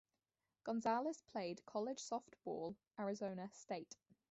Gonzales played college softball Arizona State.